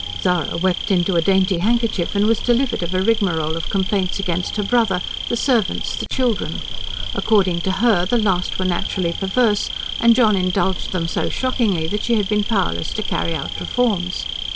Zara wept into a dainty handkerchief and was delivered of a rigmarole of complaints against her brother, the servants, the children. According to her, the last were naturally perverse, and John indulged them so shockingly that she had been powerless to carry out reforms.